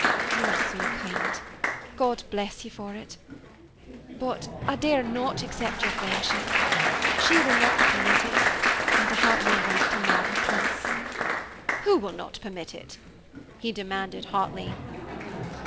"You are so kind! God bless you for it. But I dare not accept your friendship; she will not permit it, and I have no right to mar her peace." "Who will not permit it?" he demanded hotly.